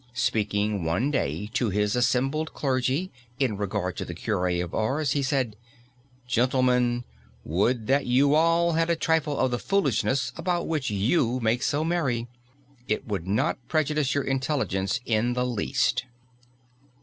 Speaking one day to his assembled clergy, in regard to the cure of Ars, he said: "Gentlemen, would that you all had a trifle of the foolishness about which you make so merry. It would not prejudice your intelligence in the least!"